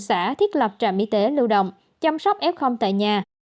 xã thiết lập trạm y tế lưu động chăm sóc f tại nhà